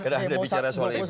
kedah ada bicara soal iblis